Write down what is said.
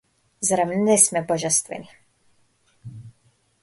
Зарем не сме божествени?